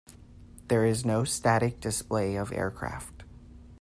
There is no static display of aircraft.